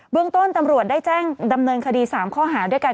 เรื่องต้นตำรวจได้แจ้งดำเนินคดี๓ข้อหาด้วยกัน